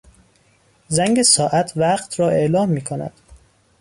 زنگ ساعت وقت را اعلام میکند.